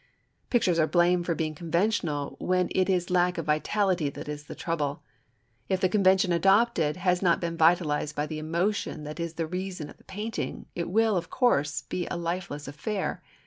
Pictures are blamed for being conventional when it is lack of vitality that is the trouble. If the convention adopted has not been vitalised by the emotion that is the reason of the painting, it will, of course, be a lifeless affair.